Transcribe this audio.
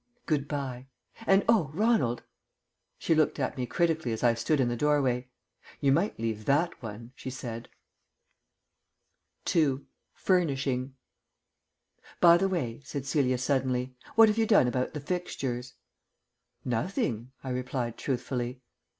"Good bye.... And oh, Ronald!" She looked at me critically as I stood in the doorway. "You might leave that one," she said. II. FURNISHING "By the way," said Celia suddenly, "what have you done about the fixtures?" "Nothing," I replied truthfully.